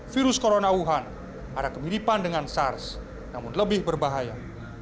virus corona wuhan ada kemiripan dengan sars namun lebih berbahaya